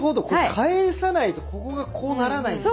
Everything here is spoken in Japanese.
返さないとここがこうならないんだ。